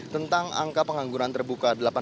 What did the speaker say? tentang angka pengangguran terbuka